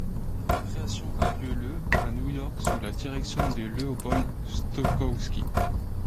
La création a lieu le à New York sous la direction de Leopold Stokowski.